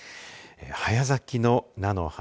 早咲きの菜の花